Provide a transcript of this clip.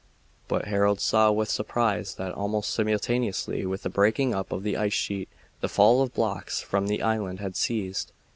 But Harold saw with surprise that, almost simultaneously with the breaking up of the ice sheet, the fall of blocks from the island had ceased.